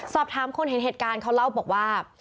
สอบถามคนเห็นเหตุการณ์เขาเล่าบอกว่า